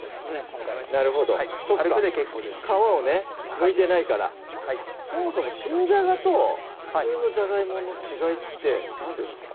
今回はなるほどそっか皮をねむいてないからそもそも新じゃがと普通のじゃがいもの違いって何ですか？